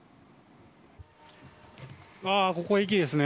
ああ、ここ駅ですね。